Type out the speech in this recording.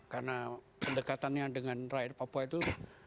karena pendekatannya dengan rakyat papua itu